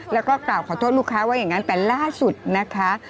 แล้วก็กล่าวขอโทษลูกค้าว่าอย่างนั้นแต่ล่าสุดนะคะ